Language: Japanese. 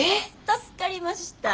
助かりました。